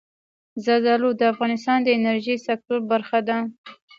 زردالو د افغانستان د انرژۍ سکتور برخه ده.